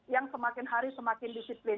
yang semakin hari semakin disiplin